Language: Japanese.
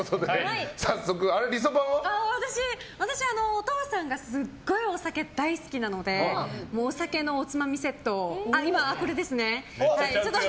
お父さんがすごいお酒大好きなのでお酒のおつまみセットを。